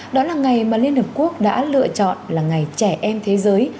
đó là ngày mà liên hợp quốc đã lựa chọn là ngày trẻ em thế giới